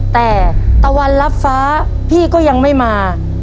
แต่ตะวันรับฟ้าพี่ก็ยังไม่มา